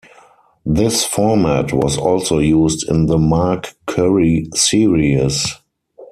This format was also used in the Mark Curry series.